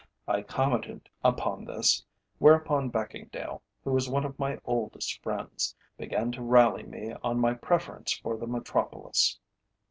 I commented upon this, whereupon Beckingdale, who is one of my oldest friends, began to rally me on my preference for the Metropolis.